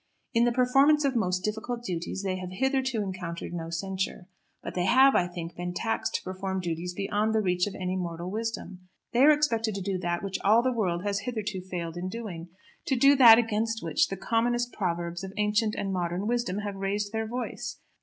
In the performance of most difficult duties they have hitherto encountered no censure. But they have, I think, been taxed to perform duties beyond the reach of any mortal wisdom. They are expected to do that which all the world has hitherto failed in doing, to do that against which the commonest proverbs of ancient and modern wisdom have raised their voice.